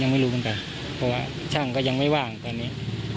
เพราะว่าช่างก็ยังไม่ว่างตอนนี้